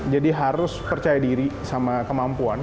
jadi harus percaya diri sama kemampuan